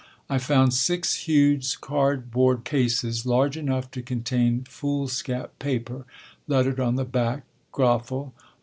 I found six huge cardboard cases, large enough to contain foolscap paper, lettered on the back: _Gräfl.